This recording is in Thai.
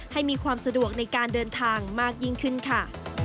มีความสะดวกในการเดินทางมากยิ่งขึ้นค่ะ